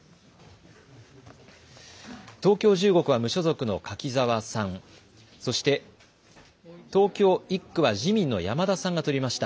東京１５区は無所属の柿沢さん、そして東京１区は自民の山田さんが取りました。